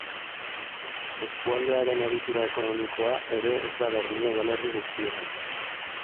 Eskualdearen egitura ekonomikoa ere ez da berdina udalerri guztietan.